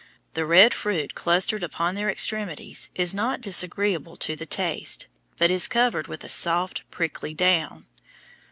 The red fruit clustered upon their extremities is not disagreeable to the taste, but is covered with a soft, prickly down.